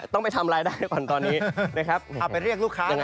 ต้องไปทำไรก็ได้ก่อนตอนนี้